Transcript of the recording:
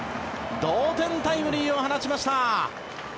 同点タイムリーを放ちました！